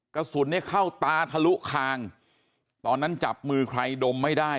กระสุนเนี่ยเข้าตาทะลุคางตอนนั้นจับมือใครดมไม่ได้